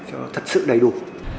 cho nó thật sự đầy đủ